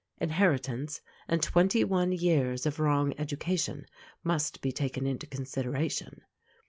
Inheritance and twenty one years of wrong education must be taken into consideration.